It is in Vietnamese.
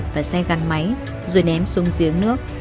và xe gắn máy rồi ném xuống giếng nước